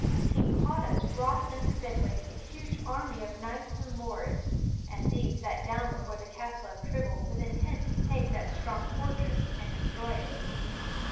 King Claudas brought unto Benwick a huge army of knights and lords, and these sat down before the Castle of Trible with intent to take that strong fortress and destroy it.